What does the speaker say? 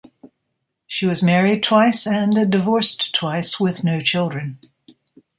She was married twice and divorced twice, with no children.